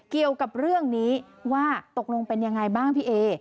เกี่ยวกับเรื่องนี้ว่าตกลงเป็นยังไงบ้างพี่เอ